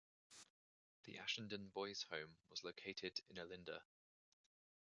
The Ashendene Boys Home was located in Olinda.